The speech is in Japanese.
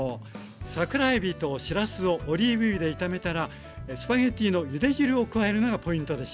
桜えびとしらすをオリーブ油で炒めたらスパゲッティのゆで汁を加えるのがポイントでした。